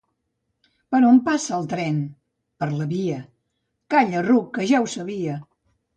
—Per on passa el tren? —Per la via. —Calla, ruc. que ja ho sabia.